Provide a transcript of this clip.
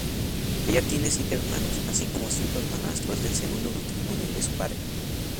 Ella tiene siete hermanos, así como cinco hermanastros del segundo matrimonio de su padre.